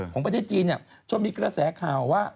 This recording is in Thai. ของประเทศจีนเนี่ยมีกละแสข่าวว่า